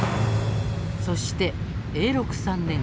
そして、永禄３年。